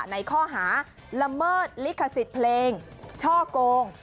ในข้อหาละเมิดลิขสิทธิ์เพลงช่อกง